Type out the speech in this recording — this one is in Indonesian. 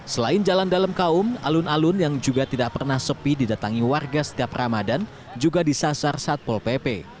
selain jalan dalam kaum alun alun yang juga tidak pernah sepi didatangi warga setiap ramadan juga disasar satpol pp